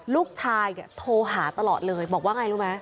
ลูกชายโทรหาตลอดเลยบอกว่าอย่างไรรู้ไหม